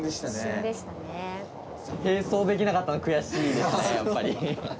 やっぱり。